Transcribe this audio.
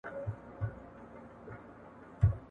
منډېلا د خپل دښمن سره په یوه میز ډوډۍ وخوړله.